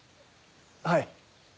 はい。